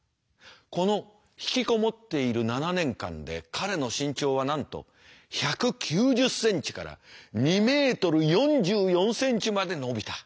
この引きこもっている７年間で彼の身長はなんと１９０ｃｍから２ｍ４４ｃｍまで伸びた。